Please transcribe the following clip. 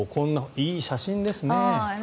いい写真ですね。